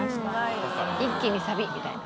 一気にサビ！みたいな。